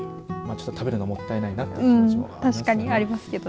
ちょっと食べるのもったいないないなという気持ちもありますけど。